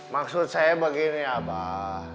maksud saya begini abah